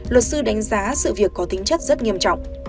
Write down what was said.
luật sư đánh giá sự việc có tính chất rất nghiêm trọng